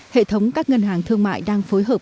hệ thống các ngân hàng thương mại đang phối hợp